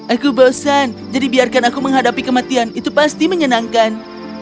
aku bosan jadi biarkan aku menghadapi kematian itu pasti menyenangkan